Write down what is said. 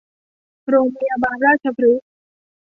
โรงพยาบาลราชพฤกษ์